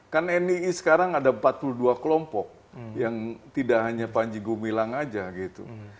kan nii sekarang ada empat puluh dua kelompok yang tidak hanya panji gumilang aja gitu